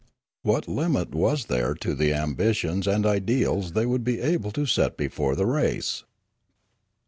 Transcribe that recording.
What limit was there to the ambitions and ideals they would be able to set before the race